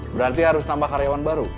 berarti harus nambah karyawan baru